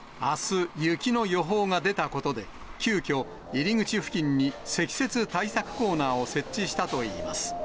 あす、雪の予報が出たことで、急きょ、入り口付近に積雪対策コーナーを設置したといいます。